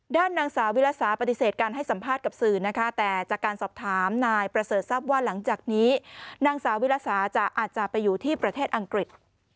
ด้านนางสาววิลสาปฏิเสธการให้สัมภาษณ์กับสื่อนะคะแต่จากการสอบถามนายประเสริฐทรัพย์ว่าหลังจากนี้นางสาววิรสาจะอาจจะไปอยู่ที่ประเทศอังกฤษ